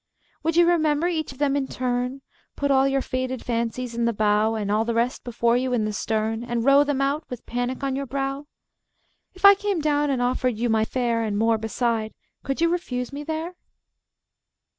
Would you remember each of them in turn? Put all your faded fancies in the bow, And all the rest before you in the stern, And row them out with panic on your brow? If I came down and offered you my fare And more beside, could you refuse me there?